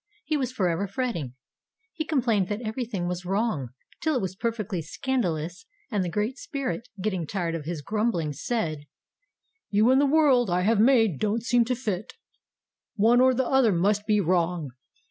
He was forever fretting. He complained that everything was wrong, till it was perfectly scandalous and the Great Spirit, getting tired of his grumbling, said: "You and the world I have made don't seem to fit. One or the other must be wrong.